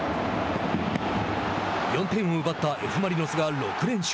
４点を奪ったＦ・マリノスが６連勝。